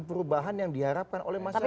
perubahan yang diharapkan oleh masyarakat